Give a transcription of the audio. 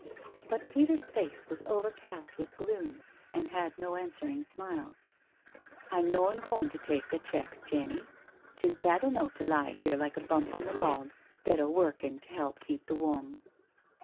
But Peter's face was overcast with gloom and had no answering smile. "I'm noan goin' to tak' th' checks, Jenny. 'Tis bad eno' to lie 'ere like a bump on a log 'stead o' workin' to help keep the wom."